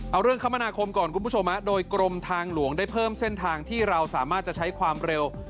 เอาเรื่องคมนาคมก่อนคุณผู้ชมโดยกรมทางหลวงได้เพิ่มเส้นทางที่เราสามารถจะใช้ความเร็ว